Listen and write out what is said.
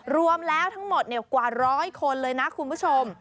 รวมแล้วทั้งหมดกว่าร้อยคนเลยนะคุณผู้ชม